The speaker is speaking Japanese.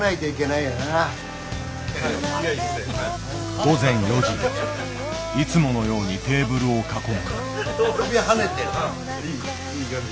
午前４時いつものようにテーブルを囲む。